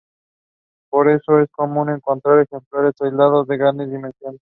Por eso es común encontrar ejemplares aislados de grandes dimensiones.